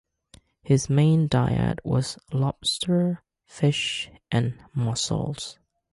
His main diet was lobster, fish, and mussels.